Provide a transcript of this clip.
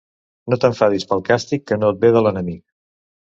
No t'enfadis pel càstig que no et ve de l'enemic.